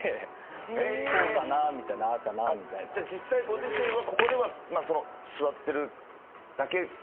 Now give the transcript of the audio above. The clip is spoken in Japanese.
じゃ実際ご自身はここでは座ってるだけなんだけど。